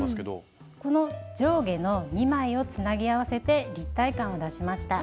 この上下の２枚をつなぎ合わせて立体感を出しました。